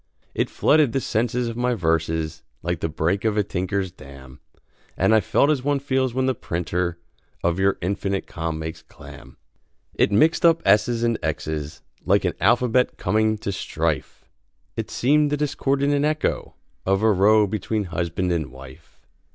It flooded the sense of my verses, Like the break of a tinker's dam, And I felt as one feels when the printer Of your "infinite calm" makes clam. It mixed up s's and x's Like an alphabet coming to strife. It seemed the discordant echo Of a row between husband and wife.